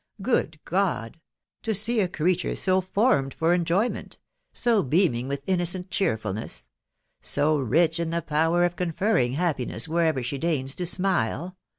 Good God I to see a creature so formed for enjoyment, — so beaming with innocent cheerfulness, — so rich in the power of conferring happiness wherever she deigns to smile